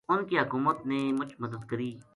انھ کی حکومت نے مُچ مدد کری